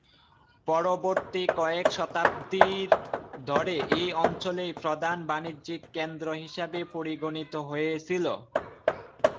পরবর্তী কয়েক শতাব্দীর ধরে এই অঞ্চলই প্রধান বাণিজ্যিক কেন্দ্র হিসাবে পরিগণিত হয়েছিল।